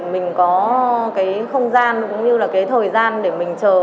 mình có cái không gian cũng như là cái thời gian để mình chờ